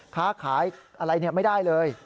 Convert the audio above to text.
ค้าขายอะไรไม่ได้เลย